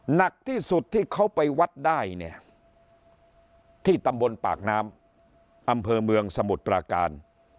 หนักที่สุดที่เขาไปวัดได้เนี่ยที่ตำบลปากน้ำอำเภอเมืองสมุทรปราการ